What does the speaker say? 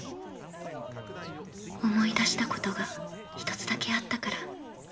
思い出したことが１つだけあったから。